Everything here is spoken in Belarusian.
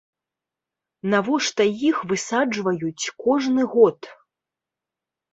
Навошта іх высаджваюць кожны год?